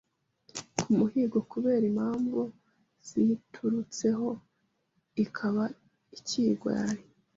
ku muhigo kubera impamvu ziyiturutseho ikaba ikigwari.